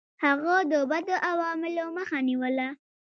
هغه د بدو عواملو مخه نیوله.